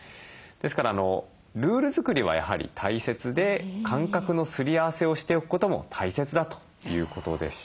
ですからルール作りはやはり大切で感覚のすり合わせをしておくことも大切だということでした。